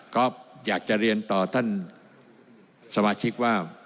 ก็อยากจะเรียนต่อท่านสมาชิกว่า